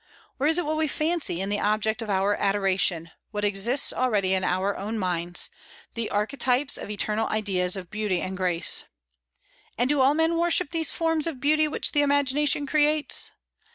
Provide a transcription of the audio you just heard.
Or is it what we fancy in the object of our adoration, what exists already in our own minds, the archetypes of eternal ideas of beauty and grace? And do all men worship these forms of beauty which the imagination creates?